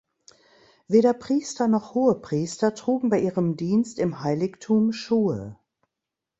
Weder Priester noch Hohepriester trugen bei ihrem Dienst im Heiligtum Schuhe.